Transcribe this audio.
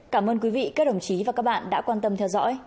cảm ơn quý vị các đồng chí và các bạn đã quan tâm theo dõi